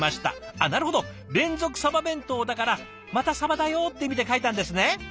あっなるほど連続さば弁当だから「またさばだよ」って意味で書いたんですね。